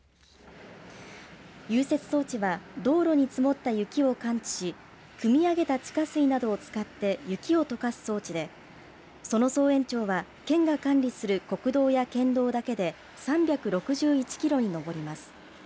融雪装置は道路に積もった雪を感知しくみ上げた地下水などを使って雪をとかす装置でその総延長は、県が管理する国道や県道だけで３６１キロに上ります。